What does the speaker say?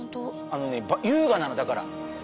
あのね優雅なのだから。